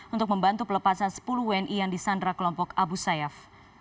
untuk membantu pelepasan sepuluh wni yang disandra kelompok abu sayyaf